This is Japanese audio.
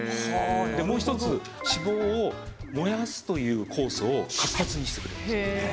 でもう１つ脂肪を燃やすという酵素を活発にしてくれるんです。